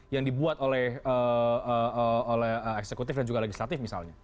yang dibuat oleh eksekutif dan juga legislatif misalnya